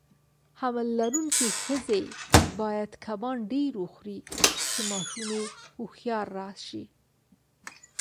حمل لرونکي خزه باید کبان ډیر وخوري، چی ماشوم یی هوښیار راشي.